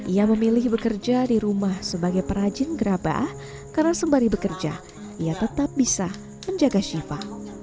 ia memilih bekerja di rumah sebagai perajin gerabah karena sembari bekerja ia tetap bisa menjaga shiva